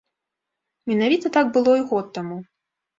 Менавіта так было і год таму.